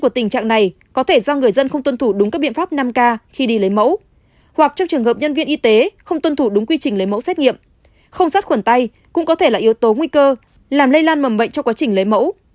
không sát khuẩn tay cũng có thể là yếu tố nguy cơ làm lây lan mầm bệnh trong quá trình lấy mẫu